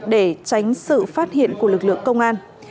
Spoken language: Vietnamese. để tránh sự phát hiện của lực lượng công an